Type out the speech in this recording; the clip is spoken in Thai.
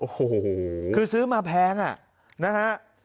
โอ้โหคือซื้อมาแพงอ่ะนะฮะ